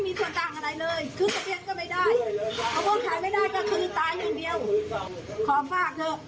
เพราะชาวสวนนี่มะม่วงก็ขายไม่ได้ลงทุนก็เยอะ